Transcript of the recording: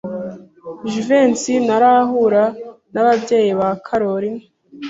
Jivency ntarahura n'ababyeyi ba Kalorina?